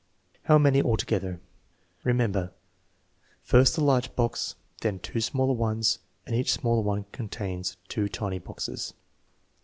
How many altogether? Remember, first the large box, then two smaller ones, and each smaller one contains two tiny boxes."